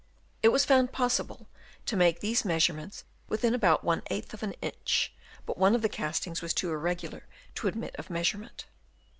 It was found possible to make these measurements within about | of an inch, but one of the castings was too irregular to admit of measurement.